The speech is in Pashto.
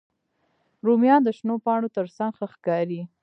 رومیان د شنو پاڼو تر څنګ ښه ښکاري